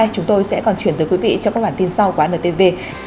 chúng tôi sẽ còn chuyển tới quý vị trong các bản tin sau của antv